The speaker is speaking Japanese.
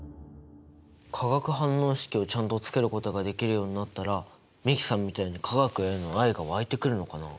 化学反応式をちゃんと作ることができるようになったら美樹さんみたいに化学への愛が湧いてくるのかな？